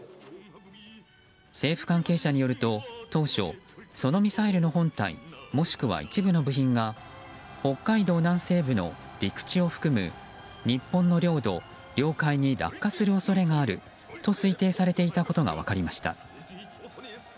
政府関係者によると当初、そのミサイルの本体もしくは一部の部品が北海道南西部の陸地を含む日本の領土・領海に落下する恐れがあると推定されていたことが分かりました。